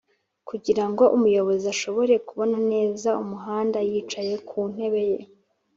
kugirango umuyobozi ashobore kubona neza umuhanda yicaye ku ntebe ye.